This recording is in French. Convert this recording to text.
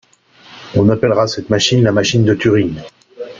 On appellera cette machine, la machine de Turing.